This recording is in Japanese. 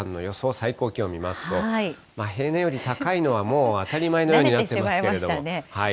最高気温見ますと、平年より高いのはもう当たり前のようになってますけれども。